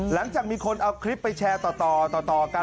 หลังจากมีคนเอาคลิปไปแชร์ต่อกัน